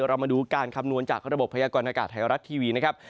เรามาดูการคำนวณจากระบบพยากรณากาศไทยรัฐทีวีนะครับ